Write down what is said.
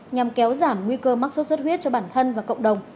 nhằm kéo giảm nguy cơ mắc sốt xuất huyết cho bản thân và cộng đồng